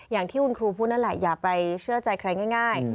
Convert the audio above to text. อย่างที่คุณครูพูดนั่นแหละอย่าไปเชื่อใจใครง่าย